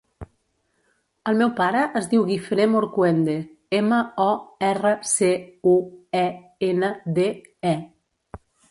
El meu pare es diu Guifré Morcuende: ema, o, erra, ce, u, e, ena, de, e.